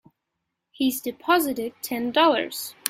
He's deposited Ten Dollars.